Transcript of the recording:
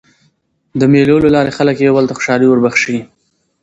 د مېلو له لاري خلک یو بل ته خوشحالي وربخښي.